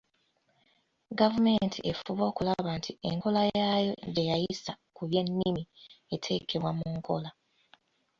Gavumenti efube okulaba nti enkola yaayo gye yayisa ku by'ennimi eteekebwa mu nkola.